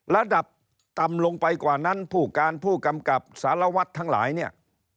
ระดับต่ำลงไปกว่านั้นผู้การผู้กำกับสารวัตรทั้งหลายเนี่ย